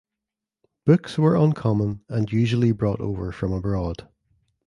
Books were uncommon and usually brought over from abroad.